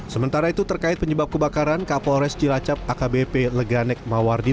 sementara itu terkait penyebab kebakaran kapolres cilacap akbp leganek mawardi